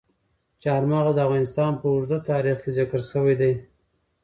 چار مغز د افغانستان په اوږده تاریخ کې ذکر شوی دی.